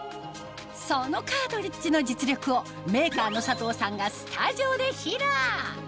そのカートリッジの実力をメーカーの佐藤さんがスタジオで披露